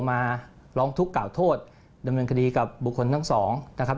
มาร้องทุกข์กล่าวโทษดำเนินคดีกับบุคคลทั้งสองนะครับ